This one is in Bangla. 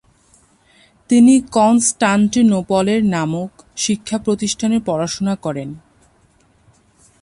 তিনি কনস্টান্টিনোপলের নামক শিক্ষাপ্রতিষ্ঠানে পড়াশোনা করেন।